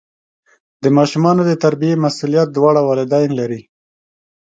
د ماشومانو د تربیې مسؤلیت دواړه والدین لري.